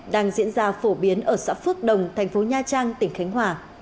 đang diễn ra phổ biến ở xã phước đồng thành phố nha trang tỉnh khánh hòa